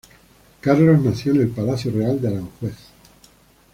Carlos nació en el Palacio Real de Aranjuez.